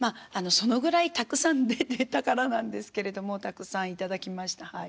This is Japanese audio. そのぐらいたくさん出てたからなんですけれどもたくさん頂きましたはい。